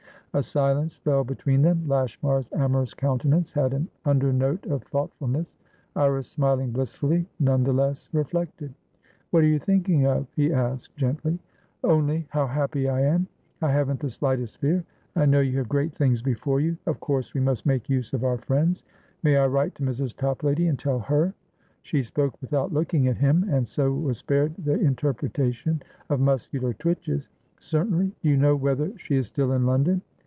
A silence fell between them. Lashmar's amorous countenance had an under note of thoughtfulness; Iris, smiling blissfully, none the less reflected. "What are you thinking of?" he asked, gently. "Only how happy I am. I haven't the slightest fear. I know you have great things before you. Of course we must make use of our friends. May I write to Mrs. Toplady, and tell her?" She spoke without looking at him, and so was spared the interpretation of muscular twitches. "Certainly. Do you know whether she is still in London?"